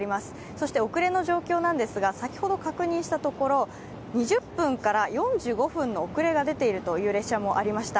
そして遅れの状況なんですが、先ほど確認したところ２０分から４５分の遅れが出ているという列車もありました。